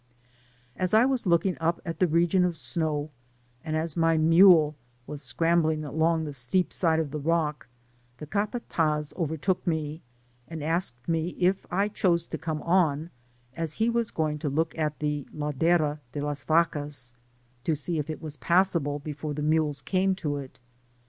As I was looking up at the region of snow, and as ^ly mule was scrambling along the steep side of the rock, the capatdz overtook me, and asked me if I chose to come on, as he was going to look at the " Ladera de las Vacas,^ to see if it was passable, before the mules came to it *.